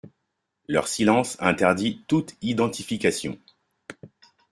Leur silence interdit toute identification.